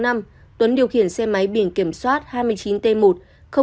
tuấn điều khiển xe máy biển kiểm soát hai mươi chín t một sáu nghìn hai trăm một mươi năm